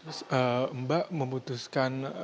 terus mbak memutuskan